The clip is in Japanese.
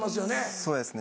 そうですね